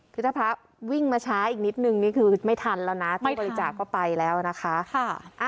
คือถ้าพระวิ่งมาช้าอีกนิดนึงนี่คือไม่ทันแล้วนะตู้บริจาคก็ไปแล้วนะคะ